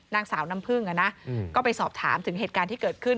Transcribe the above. นางสาวน้ำพึ่งก็ไปสอบถามถึงเหตุการณ์ที่เกิดขึ้น